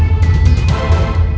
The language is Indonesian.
kenapa kalian saling menyerah